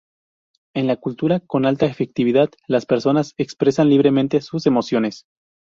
En la cultura con alta afectividad las personas expresan libremente sus emociones.